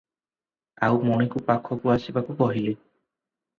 ଆଉ ମଣିକୁ ପାଖକୁ ଆସିବାକୁ କହିଲେ ।